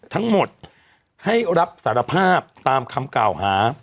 ทั้งหมดให้รับสารภาพตามคำกล่าวหา